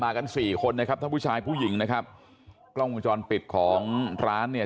กันสี่คนนะครับทั้งผู้ชายผู้หญิงนะครับกล้องวงจรปิดของร้านเนี่ย